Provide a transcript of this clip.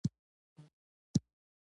له پسه چي پیدا کیږي تل پسه وي